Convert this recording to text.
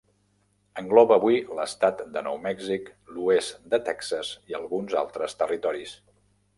Engloba avui l'Estat de Nou Mèxic, l'oest de Texas i alguns altres territoris.